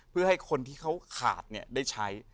เพื่อให้คนที่เขาขาดได้ใช้